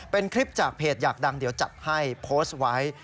เป็นคลิปจากเพจอยากดังเดี๋ยวจัดให้โพสต์ไว้